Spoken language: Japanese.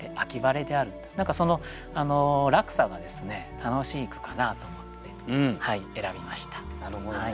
何かその落差が楽しい句かなと思って選びました。